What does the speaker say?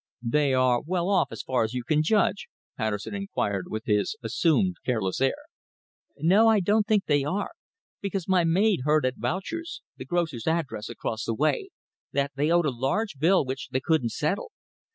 "They are well off, as far as you can judge?" Patterson inquired with his assumed careless air. "No, I don't think they are, because my maid heard at Boucher's the grocer's across the way that they owed a large bill which they couldn't settle.